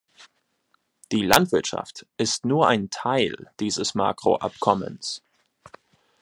Die Landwirtschaft ist nur ein Teil dieses Makroabkommens.